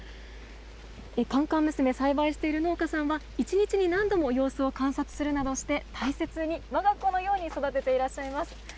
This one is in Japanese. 甘々娘、栽培している農家さんは、１日に何度も様子を観察するなどして、大切に、わが子のように育てていらっしゃいます。